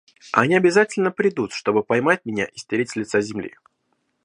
Они обязательно придут, чтобы поймать меня и стереть с лица земли.